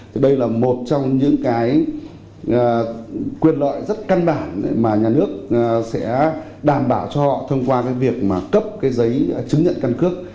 thì đây là một trong những cái quyền lợi rất căn bản mà nhà nước sẽ đảm bảo cho họ thông qua cái việc mà cấp cái giấy chứng nhận căn cước